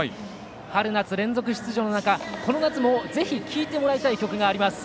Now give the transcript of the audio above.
春夏連続出場の中この夏もぜひ聴いてもらいたい曲があります。